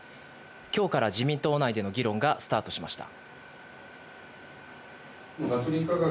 きょうから自民党内での議論がスタートしました。